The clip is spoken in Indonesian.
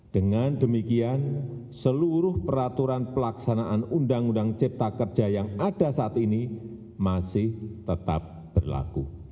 dengan demikian seluruh peraturan pelaksanaan undang undang cipta kerja yang ada saat ini masih tetap berlaku